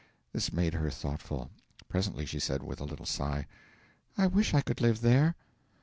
This made her thoughtful. Presently she said, with a little sigh: 'I wish I could live there.'